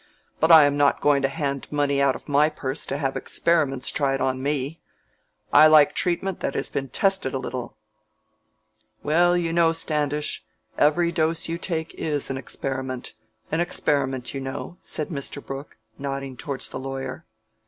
But I am not going to hand money out of my purse to have experiments tried on me. I like treatment that has been tested a little." "Well, you know, Standish, every dose you take is an experiment an experiment, you know," said Mr. Brooke, nodding towards the lawyer.